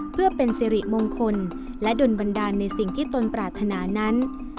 เพื่อเป็นสิริมงคลและดนบันดาลในสิ่งที่ตนปรารถนานั้น